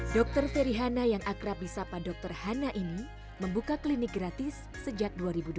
dokter feri hana yang akrab di sapa dokter hana ini membuka klinik gratis sejak dua ribu dua belas